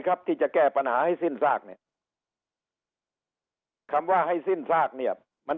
ครับที่จะแก้ปัญหาให้สิ้นซากเนี่ยคำว่าให้สิ้นซากเนี่ยมัน